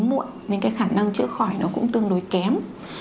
muộn nên cái khả năng chữa khỏi nó cũng tương đối kém